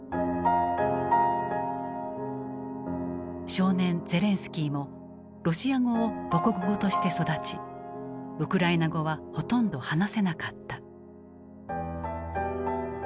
少年ゼレンスキーもロシア語を母国語として育ちウクライナ語はほとんど話せなかった。